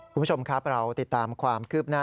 คุณผู้ชมครับเราติดตามความคืบหน้า